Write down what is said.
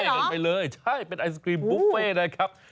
เห็นไหมละเจ๊เป็นไอศครีมบูฟเฟ่นะครับ